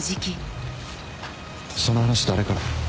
その話誰から？